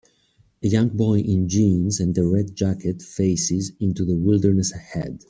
A young boy in jeans and a red jacket faces into the wilderness ahead.